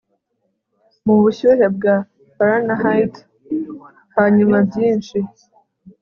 mubushyuhe bwa Fahrenheit hanyuma byinshi